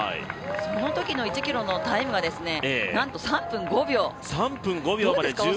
そのときの１ｋｍのタイムはなんと３分５秒。